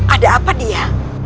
ada apa dia